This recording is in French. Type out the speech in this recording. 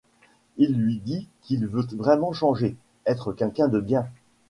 Il lui dit qu'il veut vraiment changer, être quelqu'un de bien.